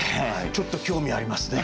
ちょっと興味ありますね。